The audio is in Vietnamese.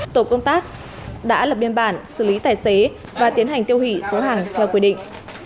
tổ công tác đã lập biên bản xử lý tài xế và tiến hành tiêu hủy số hàng theo quy định